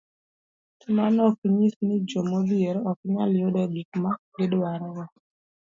To mano ok nyis ni joma odhier ok nyal yudo gik ma gidwarogo.